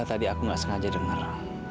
tadi aku nggak sengaja denger